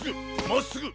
まっすぐ！